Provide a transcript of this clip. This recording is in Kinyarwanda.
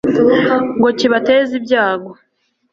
ngo kibateze ibyago